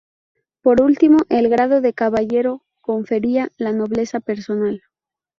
Por último, el grado de caballero confería la nobleza personal.